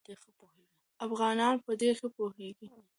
افغانان په دې ښه پوهېږي.